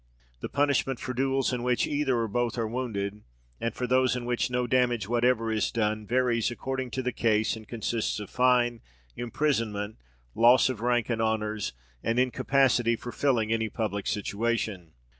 The punishment for duels in which either, or both, are wounded, and for those in which no damage whatever is done, varies according to the case, and consists of fine, imprisonment, loss of rank and honours, and incapacity for filling any public situation.